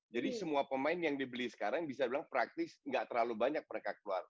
jadi semua pemain yang dibeli sekarang bisa dibilang praktis gak terlalu banyak mereka keluar